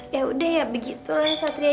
ya udah ya begitulah satria